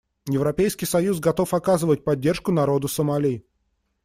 Европейский союз готов оказывать поддержку народу Сомали.